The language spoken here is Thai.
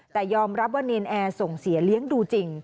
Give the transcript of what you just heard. แต่ยอมรับว่าเนรนแอร์ส่งเสียเลี้ยงดูจริง